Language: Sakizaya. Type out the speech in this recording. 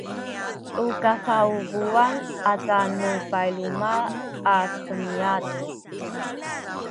u kasaupuwan aca nu payluma’ a demiad